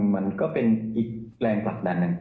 มันก็เป็นอีกแรงผลักดัน